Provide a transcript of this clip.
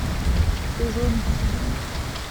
ces jaunes-ci.